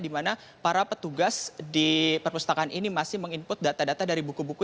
di mana para petugas di perpustakaan ini masih meng input data data dari buku buku